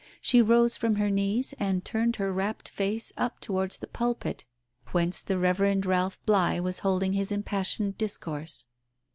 She rose from her knees, and turned her rapt face up towards the pulpit whence the Reverend Ralph Bligh was holding his im passioned discourse.